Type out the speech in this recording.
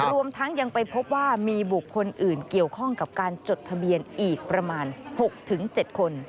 รวมทั้งยังไปพบว่ามีบุคคลอื่นเกี่ยวข้องกับการจดทะเบียนอีกประมาณ๖๗คน